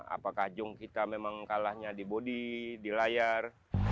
apakah jong kita memang kalahnya di bodi di layar